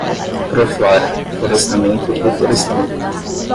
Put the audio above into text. Proflora – Florestamento e Reflorestamento